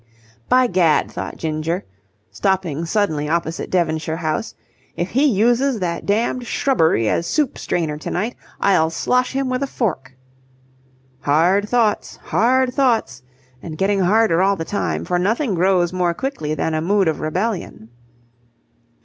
"By gad!" thought Ginger, stopping suddenly opposite Devonshire House. "If he uses that damned shrubbery as soup strainer to night, I'll slosh him with a fork!" Hard thoughts... hard thoughts! And getting harder all the time, for nothing grows more quickly than a mood of rebellion.